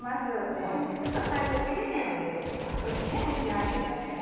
ですのでちょっと最初切り目を入れとくと後でむきやすいのでね。